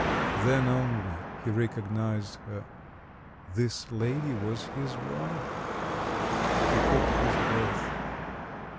Then, only, he recognised her: this lady was his wife! He caught his breath....